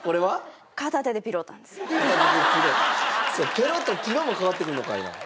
「ペロ」と「ピロ」も変わってくるのかいな。